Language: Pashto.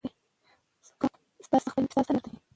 ستا څه نظر دی